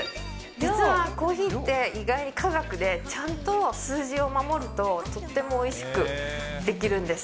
実はコーヒーって、意外に科学でちゃんと数字を守るととってもおいしくできるんです。